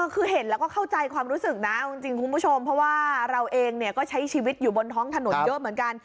คือเห็นแล้วก็เข้าใจความรู้สึกนะเอาจริงคุณผู้ชมเพราะว่าเราเองก็ใช้ชีวิตอยู่บนท้องถนนเยอะเหมือนกัน